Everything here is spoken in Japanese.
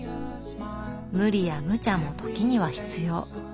無理や無茶も時には必要。